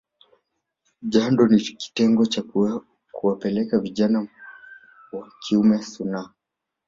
Jando ni kitendo cha kuwapeleka vijana wa kiume sunnah